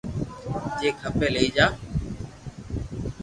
جي کپي لئي جا